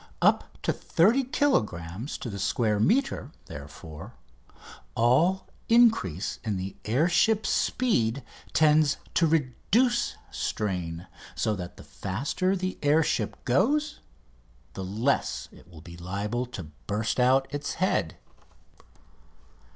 Up to 30 kilogrammes to the square metre, therefore, all increase in the air ship's speed tends to reduce strain, so that the faster the air ship goes the less will it be liable to burst out its head!